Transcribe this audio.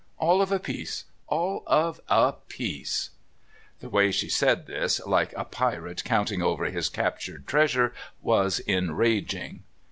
All of a piece all of a piece." The way she said this, like a pirate counting over his captured treasure, was enraging.